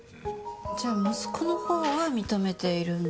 じゃあ息子のほうは認めているんだ。